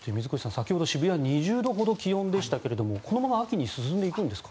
先ほど渋谷は２０度ほどの気温でしたがこのまま秋に進んでいくんですか？